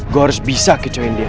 gue harus bisa kecoin dia